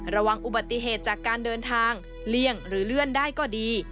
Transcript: ระวังอุบัติเหตุจากการเดินทางเลี่ยงหรือเลื่อนได้ก็ดี